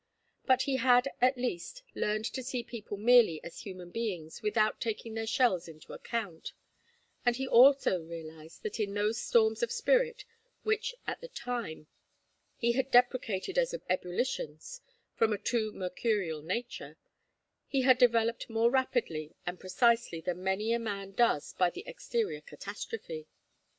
But he had, at least, learned to see people merely as human beings without taking their shells into account; and he also realized that in those storms of spirit, which, at the time, he had deprecated as ebullitions from a too mercurial nature, he had developed more rapidly and precisely than many a man does by the exterior catastrophe.